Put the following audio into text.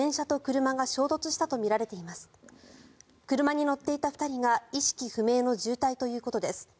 車に乗っていた２人が意識不明の重体ということです。